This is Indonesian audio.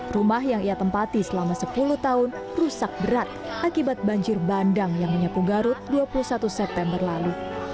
rumah yang ia tempati selama sepuluh tahun rusak berat akibat banjir bandang yang menyapu garut dua puluh satu september lalu